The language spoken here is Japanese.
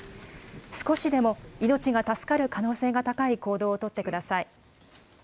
少しでも命が助かる可能性が高い行動を取ってください。